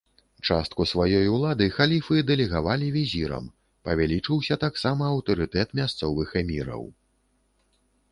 Частку сваёй улады халіфы дэлегавалі візірам, павялічыўся таксама аўтарытэт мясцовых эміраў.